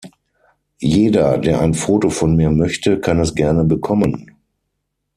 Jeder, der ein Foto von mir möchte, kann es gerne bekommen.